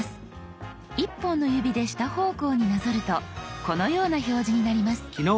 １本の指で下方向になぞるとこのような表示になります。